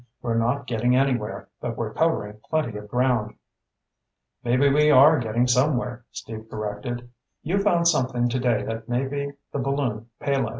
"We're not getting anywhere, but we're covering plenty of ground." "Maybe we are getting somewhere," Steve corrected. "You found something today that may be the balloon payload.